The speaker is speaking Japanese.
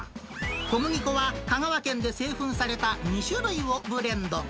小麦粉は香川県で製粉された２種類をブレンド。